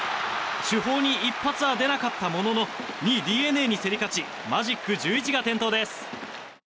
主砲に一発は出なかったものの２位ＤｅＮＡに競り勝ちマジック１１が点灯です。